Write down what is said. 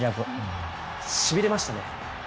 しびれましたね。